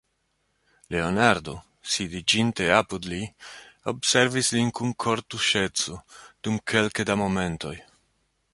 Leonardo, sidiĝinte apud li, observis lin kun kortuŝeco dum kelke da momentoj.